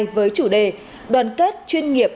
với chủ đề đoàn kết chuyên nghiệp